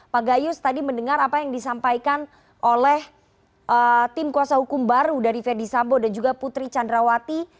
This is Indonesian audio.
pak gayus tadi mendengar apa yang disampaikan oleh tim kuasa hukum baru dari fedy sambo dan juga putri candrawati